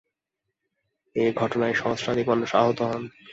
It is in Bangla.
এ ঘটনায় সহস্রাধিক মানুষ আহত হন।